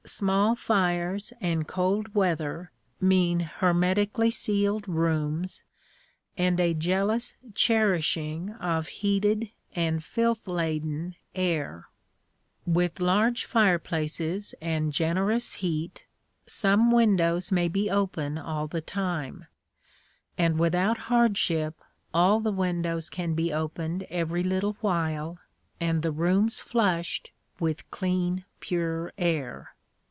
Small fires and cold weather mean hermetically sealed rooms and a jealous cherishing of heated and filth laden air. With large fire places and generous heat, some windows may be open all the time, and without hardship all the windows can be opened every little while and the rooms flushed with clean pure air.